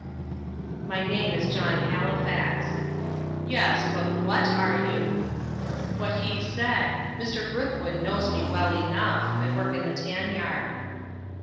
"My name is John Halifax." "Yes; but WHAT are you?" "What he said. Mr. Brithwood knows me well enough: I work in the tan yard."